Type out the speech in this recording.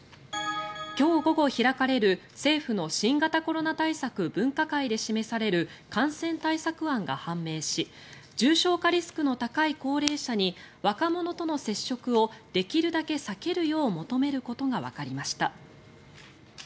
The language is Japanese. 今日午後開かれる政府の新型コロナ分科会で示される感染対策案が判明し重症化リスクの高い高齢者に若者との接触をできるだけ避けるよう求めることがわかりました。